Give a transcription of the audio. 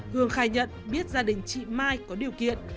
hương khai nhận biết gia đình chị mai có điều kiện